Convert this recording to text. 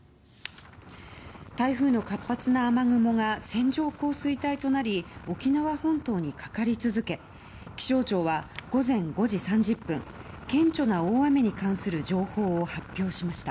台風の活発な雨雲が線状降水帯となり沖縄本島にかかり続け気象庁は午前５時３０分顕著な大雨に関する情報を発表しました。